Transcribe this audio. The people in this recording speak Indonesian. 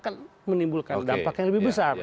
kan menimbulkan dampak yang lebih besar